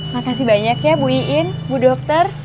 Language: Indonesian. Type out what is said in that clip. makasih banyak ya bu iin bu dokter